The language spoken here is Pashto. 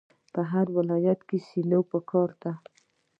په هر ولایت کې سیلو پکار ده.